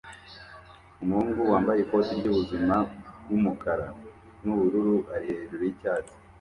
Umuhungu wambaye ikoti ryubuzima bwumukara nubururu ari hejuru yicyatsi